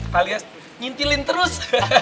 kalian ngintilin terus